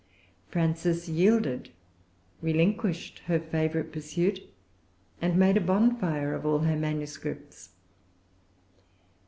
Frances yielded, relinquished her favorite pursuit, and made a bonfire of all her manuscripts.